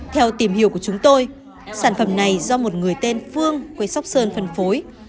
theo tìm hiểu của chúng tôi sản phẩm này do một người tên phương quê sóc sơn phân phối